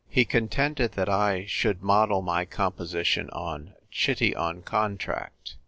He contended that I should model my composition on Chitiy on Contract.